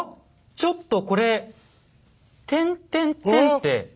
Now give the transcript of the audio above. ちょっとこれ点点点って。